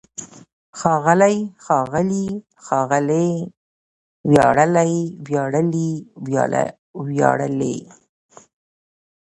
ښاغلی، ښاغلي، ښاغلې! وياړلی، وياړلي، وياړلې!